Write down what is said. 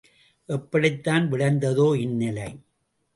எப்படித்தான் விளைந்ததோ இந்நிலை?